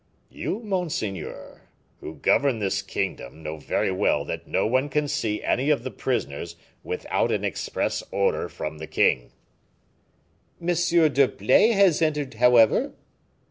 "You, monseigneur, who govern this kingdom, know very well that no one can see any of the prisoners without an express order from the king." "M. d'Herblay has entered, however."